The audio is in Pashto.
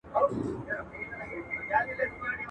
ايا ته سبزیجات تياروې،